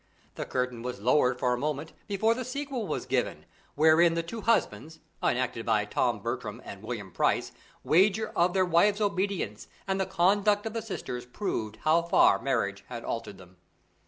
The curtain was lowered for a moment before the sequel was given, wherein the two husbands, enacted by Tom Bertram and William Price, wager of their wives' obedience, and the conduct of the sisters proved how far marriage had altered them.